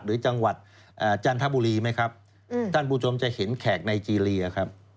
หรือจังหวัดจันทบุรีไหมครับท่านผู้ชมจะเห็นแขกไนเจรียครับ